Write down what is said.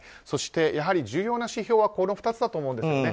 そして、やはり重要な指標はこの２つだと思うんです。